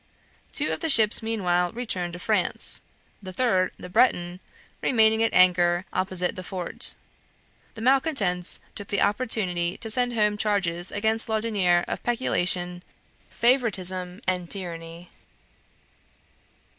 Two of the ships meanwhile returned to France, the third, the "Breton," remaining at anchor opposite the fort. The malcontents took the opportunity to send home charges against Laudonniere of peculation, favoritism, and tyranny.